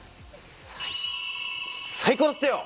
最高だったよ。